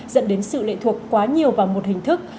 dẫn đến sự lệ thuộc quá nhiều vào một hình thức